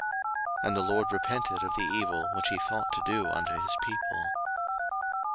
02:032:014 And the LORD repented of the evil which he thought to do unto his people.